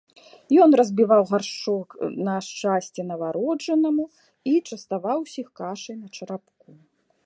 Ён разбіваў гаршчок на шчасце нованароджанаму і частаваў усіх кашай на чарапку.